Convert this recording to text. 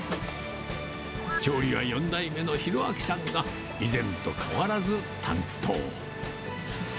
調理は４代目の宏明さんが以前と変わらず、担当。